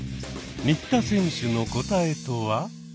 新田選手の答えとは？